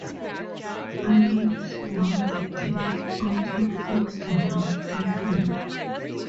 Iris Wildthyme also claims to have met her.